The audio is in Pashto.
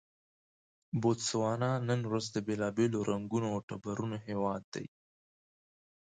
بوتسوانا نن ورځ د بېلابېلو رنګونو او ټبرونو هېواد دی.